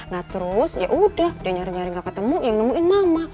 nah terus yaudah udah nyari nyari gak ketemu yang nemuin mama